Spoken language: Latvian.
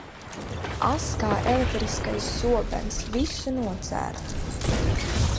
Ass kā elektriskais zobens, visu nocērt.